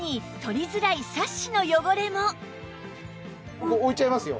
ここ置いちゃいますよ。